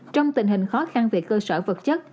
trong tình hình khó khăn về cơ sở vật chất